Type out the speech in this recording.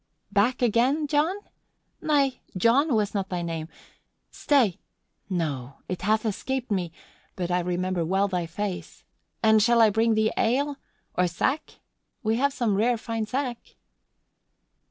"Back again, John? Nay, John was not thy name. Stay! No, it hath escaped me, but I remember well thy face. And shall I bring thee ale? Or sack? We have some rare fine sack."